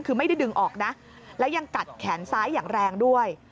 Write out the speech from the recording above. คือไม่ได้ดึงออกนะแล้วยังกัดแขนซ้ายอย่างแรงด้วย